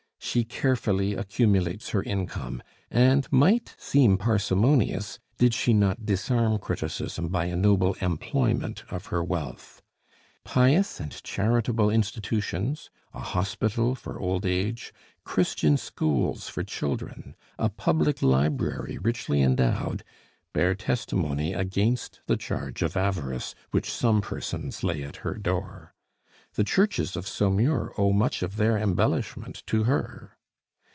She carefully accumulates her income, and might seem parsimonious did she not disarm criticism by a noble employment of her wealth. Pious and charitable institutions, a hospital for old age, Christian schools for children, a public library richly endowed, bear testimony against the charge of avarice which some persons lay at her door. The churches of Saumur owe much of their embellishment to her.